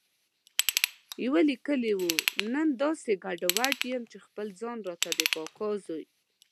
يوه ليکلي و، نن داسې ګډوډ یم چې خپل ځان راته د کاکا زوی